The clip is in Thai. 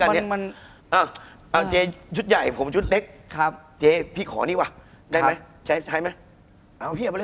คุณผู้ชมบางท่าอาจจะไม่เข้าใจที่พิเตียร์สาร